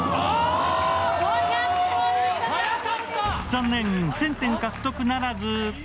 残念、１０００点獲得ならず。